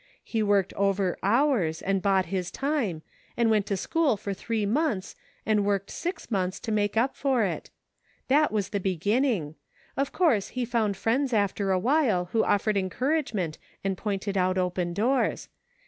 He worked over hours and bought his time, and went to school for three months, and worked six months to make up for it. That was the beginning ; of course he found friends after a little, who offered encouragement and pointed out open doors.